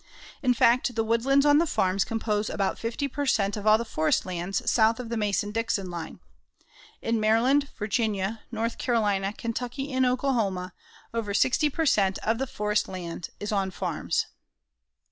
In fact the woodlands on the farms compose about 50 per cent. of all the forest lands south of the Mason Dixon line. In Maryland, Virginia, North Carolina, Kentucky and Oklahoma, over 60 per cent. of all the forest land is on farms.